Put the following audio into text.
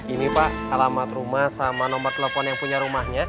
ini pak alamat rumah sama nomor telepon yang punya rumahnya